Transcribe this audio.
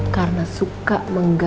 karena suka menggoda